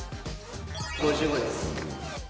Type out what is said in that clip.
５５です。